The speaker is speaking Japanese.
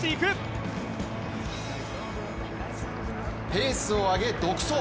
ペースを上げ独走。